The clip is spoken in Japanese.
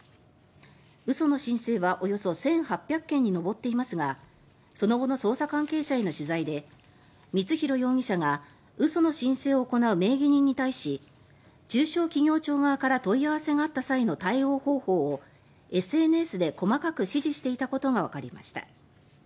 嘘の申請はおよそ１８００件に上っていますがその後の捜査関係者への取材で光弘容疑者が嘘の申請を行う名義人に対し中小企業庁側から問い合わせがあった際の対応方法をＳＮＳで細かく指示していたことがわかりました。